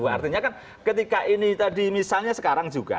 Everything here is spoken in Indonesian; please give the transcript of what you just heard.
artinya kan ketika ini tadi misalnya sekarang juga